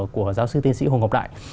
của giáo sư tiên sĩ hồ ngọc đại